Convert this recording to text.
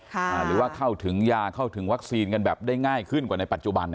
หรือว่าเข้าถึงยาเข้าถึงวัคซีนกันแบบได้ง่ายขึ้นกว่าในปัจจุบัน